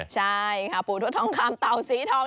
ใช่ค่ะปู่ทวดทองคำเต่าสีทอง